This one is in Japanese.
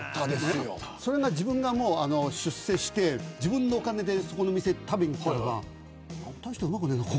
それが自分が出世して自分のお金でそこのお店に食べに行ったらばたいしてうまくねえなと。